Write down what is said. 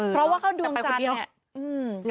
เพราะว่าเข้าดวงจันทร์เนี่ย